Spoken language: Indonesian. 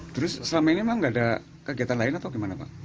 terus selama ini memang nggak ada kegiatan lain atau gimana pak